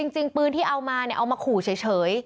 จริงปืนที่เอามาเอามาขู่เฉย